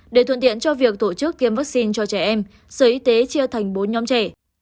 để thuận tiện cho việc tổ chức tiêm vaccine cho trẻ em sở y tế chia thành bốn nhóm trẻ